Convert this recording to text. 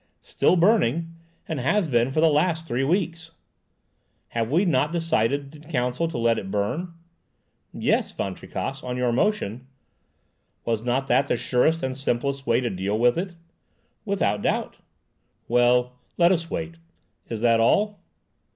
"Still burning, and has been for the last three weeks." "Have we not decided in council to let it burn?" "Yes, Van Tricasse—on your motion." "Was not that the surest and simplest way to deal with it?" "Without doubt." "Well, let us wait. Is that all?"